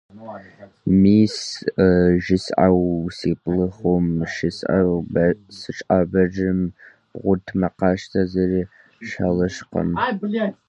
- Мис, - жысӀэу си блыгум сыщӀэӀэбэжым - бгъуэтмэ къащтэ, зыри щӀэлъыжкъым.